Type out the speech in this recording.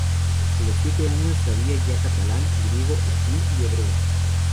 A los siete años sabía ya catalán, griego, latín y hebreo.